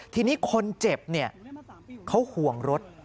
ทีนี้คนเจ็บเขาห่วงรถ